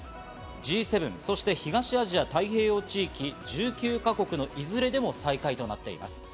Ｇ７、そして東アジア太平洋地域１９か国のいずれでも最下位となっています。